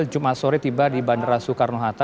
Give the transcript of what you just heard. jumat sore tiba di bandara soekarno hatta